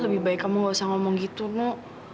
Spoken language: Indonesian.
lebih baik kamu gak usah ngomong gitu nuk